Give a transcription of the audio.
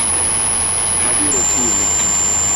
Abiro chuli.